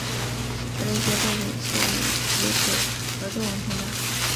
他的一些作品是与其子合作完成。